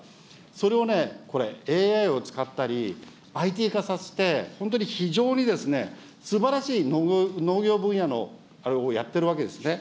それをね、これ、ＡＩを使ったり、ＩＴ化させて、本当に非常にですね、すばらしい農業分野のあれをやっているわけですね。